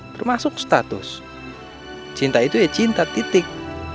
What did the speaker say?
termasuk status cinta itu ya cinta titik